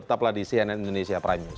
tetaplah di cnn indonesia prime news